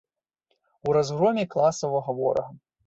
У разгроме класавага ворага.